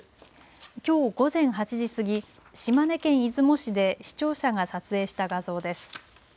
きょう午前８時過ぎ、島根県出雲市で視聴者が撮影した画像です。